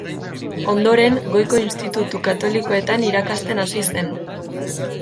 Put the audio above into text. Ondoren, goiko institutu katolikoetan irakasten hasi zen.